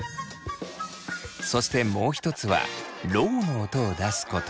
そしてもう一つは「ろう」の音を出すこと。